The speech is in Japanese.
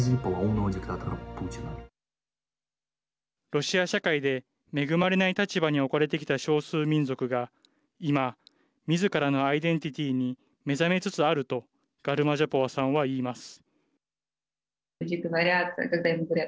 ロシア社会で恵まれない立場に置かれてきた少数民族が今みずからのアイデンティティーに目覚めつつあるとガルマジャポワさんは言います。